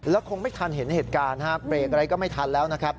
แล้วคงไม่ทันเห็นเหตุการณ์เบรกอะไรก็ไม่ทันแล้วนะครับ